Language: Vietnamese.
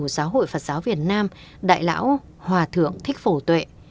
giáo hội phật giáo việt nam đại lão hòa thượng thích phổ tuệ